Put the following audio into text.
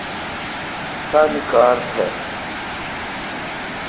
تانی کار تھا۔